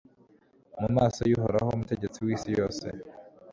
mu maso y'uhoraho, umutegetsi w'isi yose